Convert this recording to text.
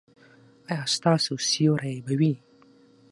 ایا ستاسو سیوری به وي؟